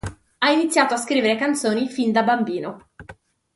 Ha iniziato a scrivere canzoni fin da bambino.